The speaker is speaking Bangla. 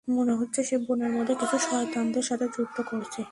মনে হচ্ছে সে বনের মধ্যে কিছু শয়তানদের সাথে যুদ্ধ করছে।